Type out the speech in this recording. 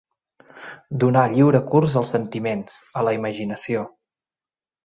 Donar lliure curs als sentiments, a la imaginació.